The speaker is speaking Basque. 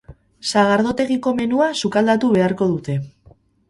Sagardotegiko menua sukaldatu beharko dute.